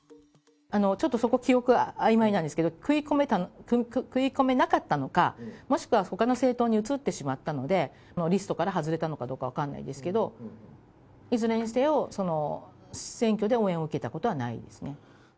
ちょっとそこ、記憶があいまいなんですけど、食い込めなかったのか、もしくはほかの政党に移ってしまったので、リストから外れたのかどうか分かんないですけど、いずれにせよ選挙で応援を受けたことはないですね。